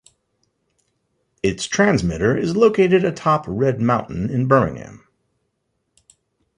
Its transmitter is located atop Red Mountain in Birmingham.